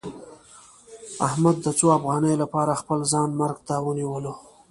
احمد د څو افغانیو لپاره خپل ځان مرګ ته ونیولو.